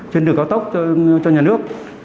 trên đường cao tốc cho nhà nước